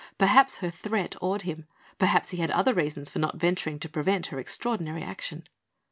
Perhaps her threat awed him; perhaps he had other reasons for not venturing to prevent her extraordinary action.